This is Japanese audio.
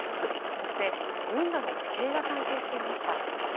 そして運河の地形が関係していました。